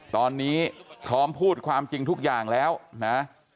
ตอนนี้พร้อมพูดความจริงทุกอย่างแล้วนะ